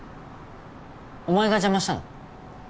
お前が邪魔したの？